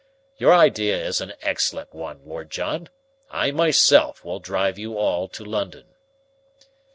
Your idea is an excellent one, Lord John. I myself will drive you all to London."